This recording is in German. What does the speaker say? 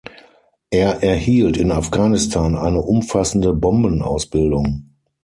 Er erhielt in Afghanistan eine umfassende Bombenausbildung.